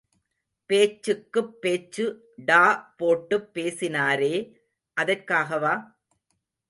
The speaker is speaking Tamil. பேச்சுக்குப் பேச்சு டா போட்டுப் பேசினாரே, அதற்காகவா?